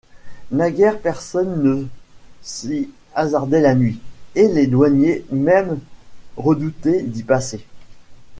Naguère personne ne s'y hasardait la nuit, et les douaniers mêmes redoutaient d'y passer.